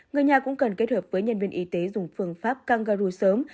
người nhà cũng cần kết hợp với nhân viên y tế dùng phương pháp cănggaru sớm